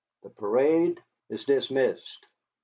The parade is dismissed."